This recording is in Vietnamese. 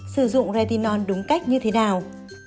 sử dụng retinol đúng cách như thế nào